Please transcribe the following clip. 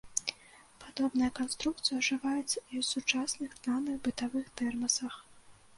Падобная канструкцыя ўжываецца і ў сучасных танных бытавых тэрмасах.